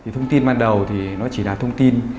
thông tin ban đầu thì nó chỉ là thông tin